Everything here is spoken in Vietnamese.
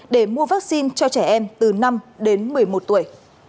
để mua vaccine cho trẻ em từ năm đến một mươi một tuổi